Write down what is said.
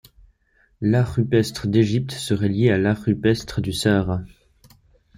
L'art rupestre d'Égypte serait lié à l'art rupestre du Sahara.